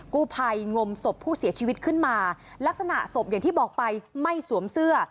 กู้ภัยงมศพผู้เสียชีวิตขึ้นมาลักษณะศพอย่างที่บอกไปไม่สวมเสื้อ